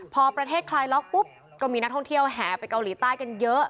พอประเทศคลายล็อกปุ๊บก็มีนักท่องเที่ยวแห่ไปเกาหลีใต้กันเยอะ